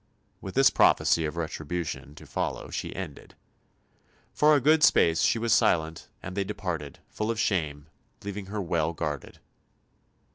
With this prophecy of retribution to follow she ended. "For a good space she was silent; and they departed, full of shame, leaving her well guarded."